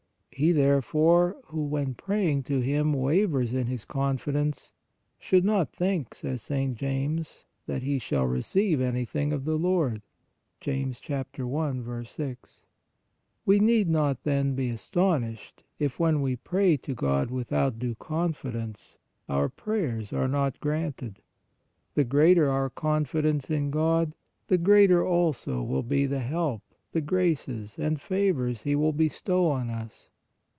He, therefore,, who, when praying to Him, wavers in his confidence, " should not think," says St. James (i. 6), "that he shall receive any thing of the Lord." We need not, then, be aston ished if, w r hen we pray to God without due confi CONDITIONS OF PRAYER 51 clence, our prayers are not granted. The greater our confidence in God, the greater also will be the help, the graces and favors He will bestow on us.